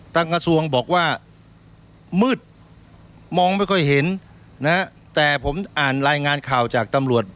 กระทรวงบอกว่ามืดมองไม่ค่อยเห็นนะฮะแต่ผมอ่านรายงานข่าวจากตำรวจ